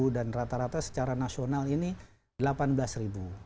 dan rata rata secara nasional ini rp delapan belas